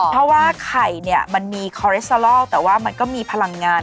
เพราะว่าไข่เนี่ยมันมีคอเรสเตอลอลแต่ว่ามันก็มีพลังงาน